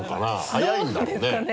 速いんだろうね。